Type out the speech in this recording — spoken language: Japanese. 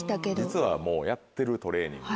実はもうやってるトレーニング。